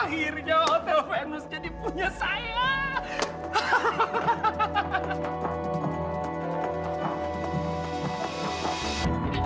akhirnya hotel fenu jadi punya saya